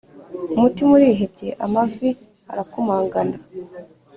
Umutima urihebye, amavi arakomangana,